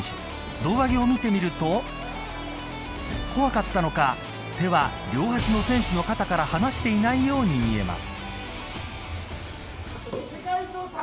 胴上げを見てみると怖かったのか手は両端の選手の肩から離していないように見えます。